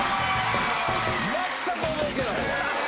全く覚えてないわ。